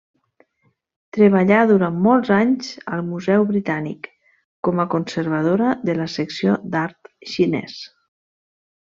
Treballà durant molts anys al Museu Britànic com a conservadora de la secció d'art xinès.